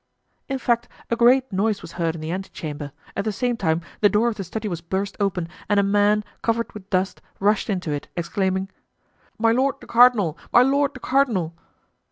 In fact, a great noise was heard in the ante chamber; at the same time the door of the study was burst open and a man, covered with dust, rushed into it, exclaiming: "My lord the cardinal! my lord the cardinal!"